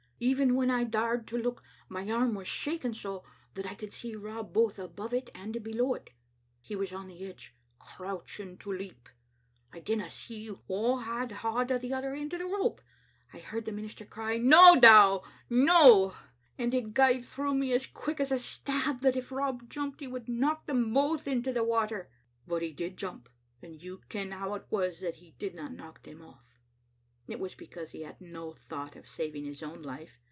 Even when I daured to look, my arm was shaking so that I could see Rob both above it and below it. He was on the edge, crouching to leap. I didna see wha had baud o' the other end o* the rope. I heard the minister cry, *No, Dow, no!' and it gae through me as quick as a stab that if Rob jumped he would knock them both into the water. But he did jump, and you ken how it was that he didna knock them off." It was because he had no thought of saving his own life.